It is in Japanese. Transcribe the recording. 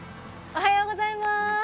おはようございます！